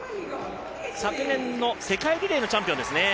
昨年の世界リレーのチャンピオンですね。